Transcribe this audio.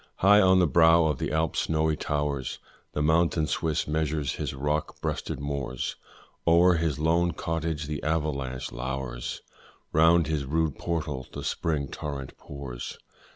High on the brow of the Alps' snowy towers The mountain Swiss measures his rock breasted moors, O'er his lone cottage the avalanche lowers, Round its rude portal the spring torrent pours.